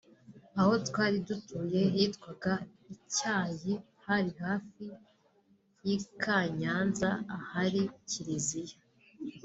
aho twari dutuye hitwaga i Cyayi hari hafi y’i Kanyanza ahari Kiriziya